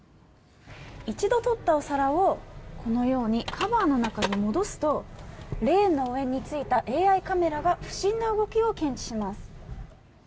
一度取ったお皿をこのようにカバーの中に戻すとレーンの上についたＡＩカメラが不審な動きを検知します。